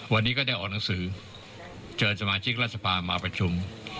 วันนี้ก็ได้ออกหนังสือเชิญสมาชิกรัฐสภามาประชุม